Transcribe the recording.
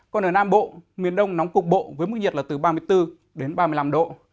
còn ở nam bộ miền đông nóng cục bộ với mức nhiệt là từ ba mươi bốn đến ba mươi năm độ